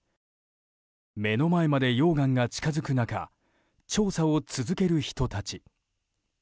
目の前まで溶岩が近づく中調査を続ける人たち。